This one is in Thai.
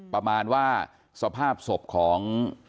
ประมาณว่าโฆษภาพสมของ